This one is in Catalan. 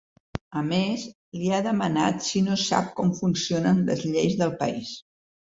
A més, li ha demanat si no sap com funcionen les lleis del país.